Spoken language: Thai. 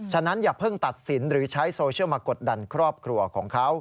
ฉะนั้นอย่าเพิ่งตัดสินหรือใช้โซเชียลมากดดันครอบครัวของเขา